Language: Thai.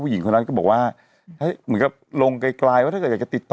หญิงคนนั้นก็บอกว่าให้เหมือนกับลงไกลว่าถ้าเกิดอยากจะติดต่อ